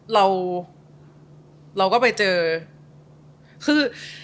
แล้วเราก็ไปเจอ